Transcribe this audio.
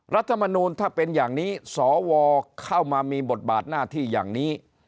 รัฐมนูลถ้าเป็นอย่างนี้สวเข้ามามีบทบาทหน้าที่อย่างนี้